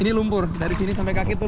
ini lumpur dari sini sampai kaki itu lumpur